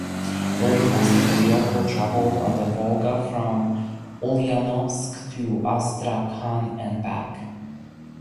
During testing the vehicle travelled on the Volga from Ulyanovsk to Astrakhan and back.